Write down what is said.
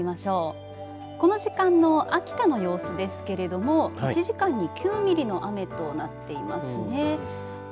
では外の様子見ていきましょうこの時間の秋田の様子ですけれども１時間に９ミリの雨となっていますね。